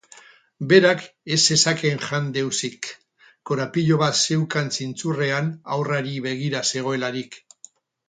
Berak ez zezakeen jan deusik, korapilo bat zeukan zintzurrean haurrari begira zegoelarik.